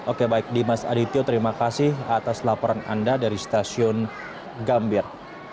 oke baik dimas adityo terima kasih atas laporan anda dari stasiun gambir